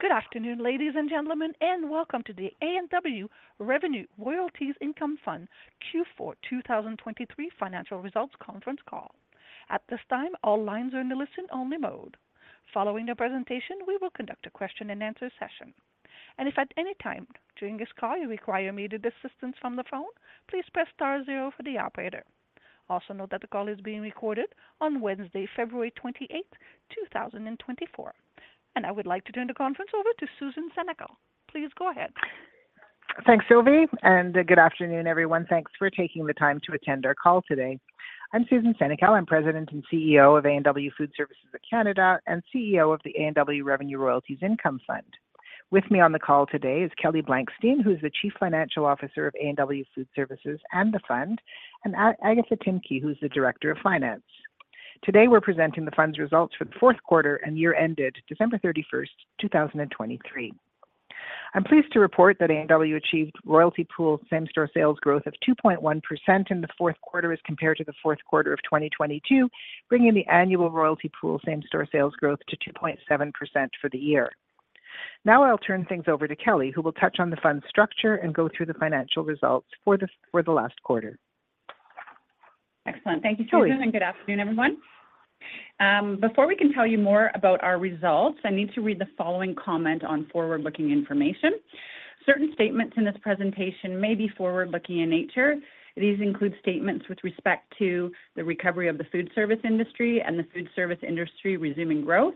Good afternoon, ladies and gentlemen, and welcome to the A&W Revenue Royalties Income Fund Q4 2023 Financial Results Conference Call. At this time, all lines are in the listen-only mode. Following the presentation, we will conduct a question-and-answer session. If at any time during this call you require immediate assistance from the phone, please press star zero for the operator. Also note that the call is being recorded on Wednesday, February 28th, 2024. I would like to turn the conference over to Susan Senecal. Please go ahead. Thanks, Sylvie, and good afternoon, everyone. Thanks for taking the time to attend our call today. I'm Susan Senecal. I'm president and CEO of A&W Food Services of Canada and CEO of the A&W Revenue Royalties Income Fund. With me on the call today is Kelly Blankstein, who is the chief financial officer of A&W Food Services and the fund, and Agatha Tymk, who is the director of finance. Today we're presenting the fund's results for the fourth quarter and year ended December 31st, 2023. I'm pleased to report that A&W achieved royalty pool same-store sales growth of 2.1% in the fourth quarter as compared to the fourth quarter of 2022, bringing the annual royalty pool same-store sales growth to 2.7% for the year. Now I'll turn things over to Kelly, who will touch on the fund's structure and go through the financial results for the last quarter. Excellent. Thank you, Susan, and good afternoon, everyone. Before we can tell you more about our results, I need to read the following comment on forward-looking information. Certain statements in this presentation may be forward-looking in nature. These include statements with respect to the recovery of the food service industry and the food service industry resuming growth,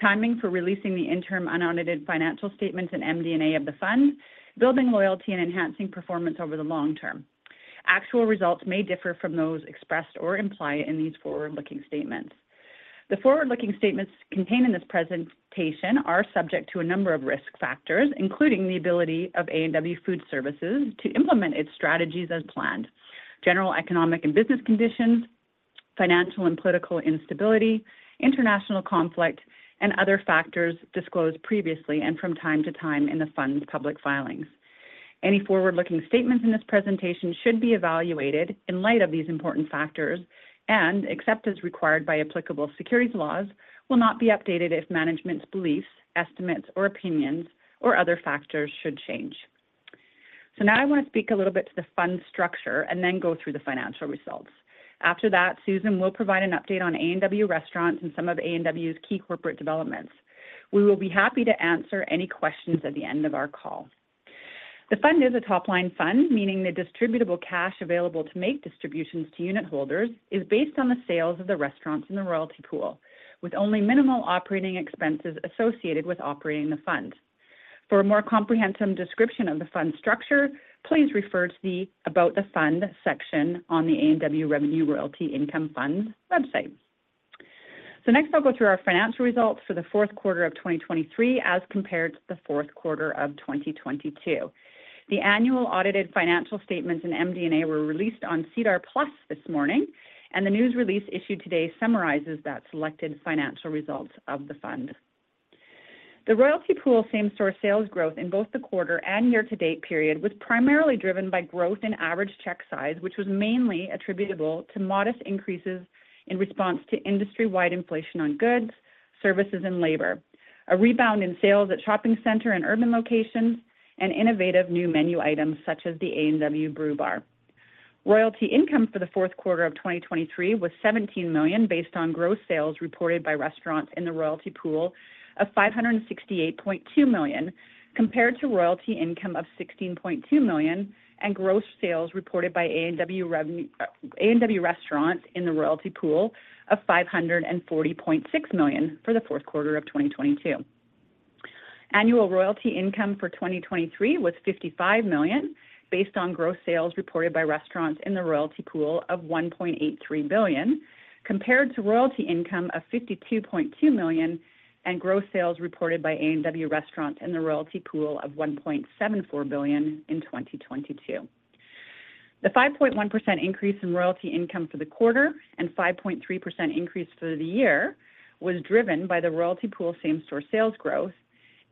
timing for releasing the interim unaudited financial statements and MD&A of the fund, building loyalty, and enhancing performance over the long term. Actual results may differ from those expressed or implied in these forward-looking statements. The forward-looking statements contained in this presentation are subject to a number of risk factors, including the ability of A&W Food Services to implement its strategies as planned. General economic and business conditions, financial and political instability, international conflict, and other factors disclosed previously and from time to time in the fund's public filings. Any forward-looking statements in this presentation should be evaluated in light of these important factors and, except as required by applicable securities laws, will not be updated if management's beliefs, estimates, or opinions, or other factors should change. So now I want to speak a little bit to the fund's structure and then go through the financial results. After that, Susan will provide an update on A&W restaurants and some of A&W's key corporate developments. We will be happy to answer any questions at the end of our call. The fund is a top-line fund, meaning the distributable cash available to make distributions to unit holders is based on the sales of the restaurants in the royalty pool, with only minimal operating expenses associated with operating the fund. For a more comprehensive description of the fund's structure, please refer to the About the Fund section on the A&W Revenue Royalties Income Fund website. Next, I'll go through our financial results for the fourth quarter of 2023 as compared to the fourth quarter of 2022. The annual audited financial statements and MD&A were released on SEDAR+ this morning, and the news release issued today summarizes the selected financial results of the fund. The royalty pool same-store sales growth in both the quarter and year-to-date period was primarily driven by growth in average check size, which was mainly attributable to modest increases in response to industry-wide inflation on goods, services, and labor, a rebound in sales at shopping center and urban locations, and innovative new menu items such as the A&W Brew Bar. Royalty income for the fourth quarter of 2023 was 17 million based on gross sales reported by restaurants in the Royalty Pool of 568.2 million compared to royalty income of 16.2 million and gross sales reported by A&W restaurants in the Royalty Pool of 540.6 million for the fourth quarter of 2022. Annual royalty income for 2023 was 55 million based on gross sales reported by restaurants in the Royalty Pool of 1.83 billion compared to royalty income of 52.2 million and gross sales reported by A&W restaurants in the Royalty Pool of 1.74 billion in 2022. The 5.1% increase in royalty income for the quarter and 5.3% increase for the year was driven by the Royalty Pool same-store sales growth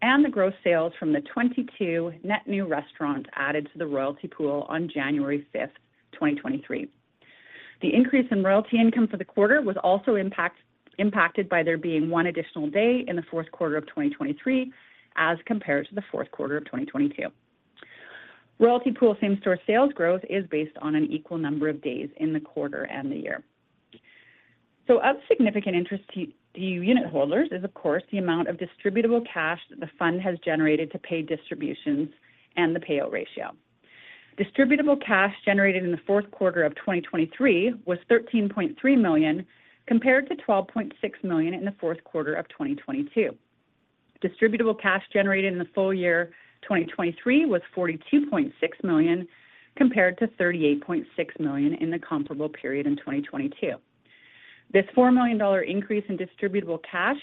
and the gross sales from the 22 net new restaurants added to the Royalty Pool on January 5th, 2023. The increase in royalty income for the quarter was also impacted by there being one additional day in the fourth quarter of 2023 as compared to the fourth quarter of 2022. Royalty Pool Same-Store Sales Growth is based on an equal number of days in the quarter and the year. So of significant interest to unit holders is, of course, the amount of Distributable Cash that the Fund has generated to pay distributions and the Payout Ratio. Distributable Cash generated in the fourth quarter of 2023 was 13.3 million compared to 12.6 million in the fourth quarter of 2022. Distributable Cash generated in the full year 2023 was 42.6 million compared to 38.6 million in the comparable period in 2022. This 4 million dollar increase in Distributable Cash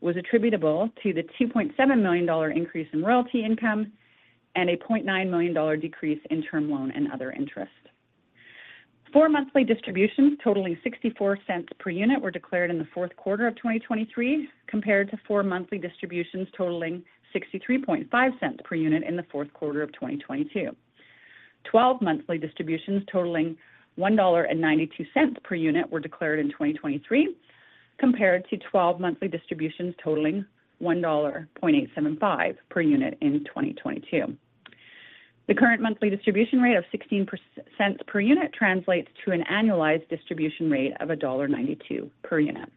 was attributable to the 2.7 million dollar increase in royalty income and a 0.9 million dollar decrease in term loan and other interest. Four monthly distributions totaling 0.64 per unit were declared in the fourth quarter of 2023 compared to four monthly distributions totaling 0.635 per unit in the fourth quarter of 2022. 12 monthly distributions totaling 1.92 dollar per unit were declared in 2023 compared to 12 monthly distributions totaling 1.875 dollar per unit in 2022. The current monthly distribution rate of 0.16 per unit translates to an annualized distribution rate of dollar 1.92 per unit.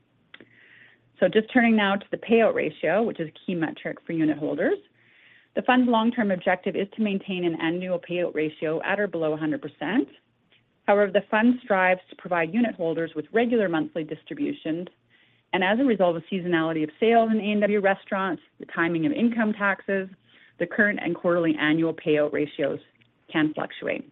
So just turning now to the payout ratio, which is a key metric for unit holders. The fund's long-term objective is to maintain an annual payout ratio at or below 100%. However, the fund strives to provide unit holders with regular monthly distributions, and as a result of seasonality of sales in A&W restaurants, the timing of income taxes, the current and quarterly annual payout ratios can fluctuate.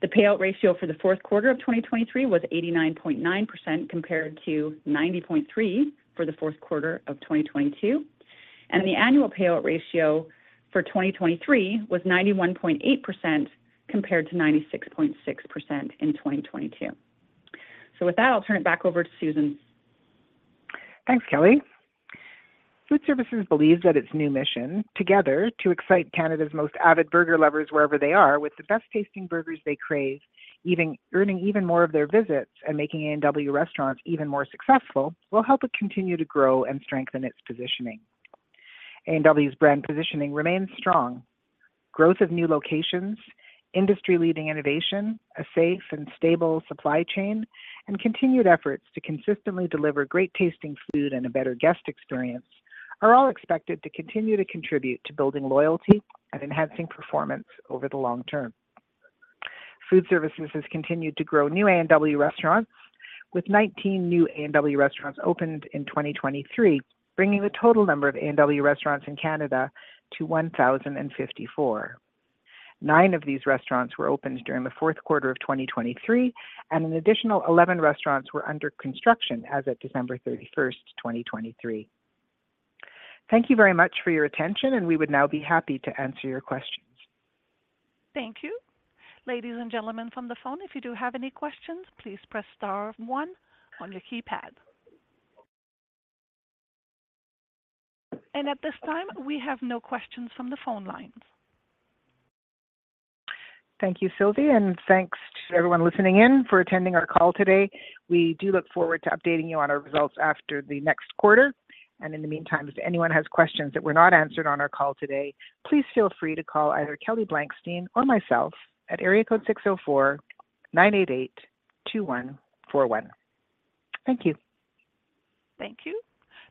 The Payout Ratio for the fourth quarter of 2023 was 89.9% compared to 90.3% for the fourth quarter of 2022, and the annual Payout Ratio for 2023 was 91.8% compared to 96.6% in 2022. With that, I'll turn it back over to Susan. Thanks, Kelly. Food Services believes that its new mission, together to excite Canada's most avid burger lovers wherever they are with the best-tasting burgers they crave, earning even more of their visits and making A&W restaurants even more successful, will help it continue to grow and strengthen its positioning. A&W's brand positioning remains strong: growth of new locations, industry-leading innovation, a safe and stable supply chain, and continued efforts to consistently deliver great-tasting food and a better guest experience are all expected to continue to contribute to building loyalty and enhancing performance over the long term. Food Services has continued to grow new A&W restaurants, with 19 new A&W restaurants opened in 2023, bringing the total number of A&W restaurants in Canada to 1,054. nine of these restaurants were opened during the fourth quarter of 2023, and an additional 11 restaurants were under construction as of December 31st, 2023. Thank you very much for your attention, and we would now be happy to answer your questions. Thank you. Ladies and gentlemen from the phone, if you do have any questions, please press star one on your keypad. At this time, we have no questions from the phone lines. Thank you, Sylvie, and thanks to everyone listening in for attending our call today. We do look forward to updating you on our results after the next quarter. In the meantime, if anyone has questions that were not answered on our call today, please feel free to call either Kelly Blankstein or myself at area code 604-988-2141. Thank you. Thank you.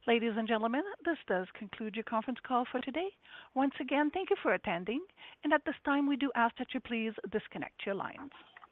Ladies and gentlemen, this does conclude your conference call for today. Once again, thank you for attending, and at this time, we do ask that you please disconnect your lines.